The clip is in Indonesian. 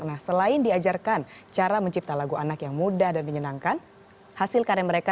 nah selain diajarkan cara mencipta lagu anak yang mudah dan menyenangkan hasil karya mereka